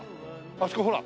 あそこほら！